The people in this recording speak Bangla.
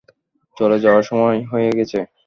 চলে যাওয়ার সময় হয়ে গেছে।